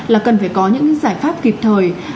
là cần phải có những giải pháp kịp thời